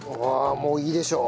もういいでしょう。